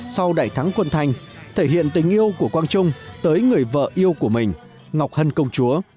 sau đại thắng quân thanh thể hiện tình yêu của quang trung tới người vợ yêu của mình ngọc hân công chúa